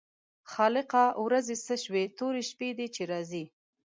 خالقه ورځې څه شوې تورې شپې دي چې راځي.